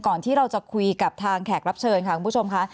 ที่เราจะคุยกับทางแขกรับเชิญค่ะคุณผู้ชมค่ะ